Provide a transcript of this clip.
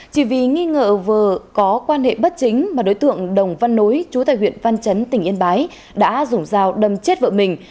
chỉ vì nghi ngờ vừa có quan hệ bất chính mà đối tượng đồng văn nối chú tài huyện văn chấn tỉnh yên bái đã dùng dao đâm chết vợ mình